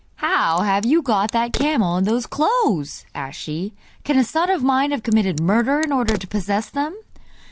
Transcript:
'How have you got that camel and those clothes?' asked she. 'Can a son of mine have committed murder in order to possess them?